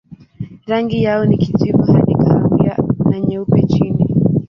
Rangi yao ni kijivu hadi kahawia na nyeupe chini.